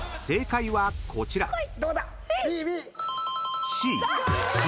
［正解はこちら］